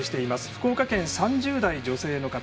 福岡県、３０代女性の方。